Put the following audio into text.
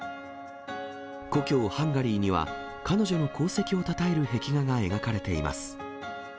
故郷、ハンガリーには、彼女の功績をたたえる壁画が描かれています。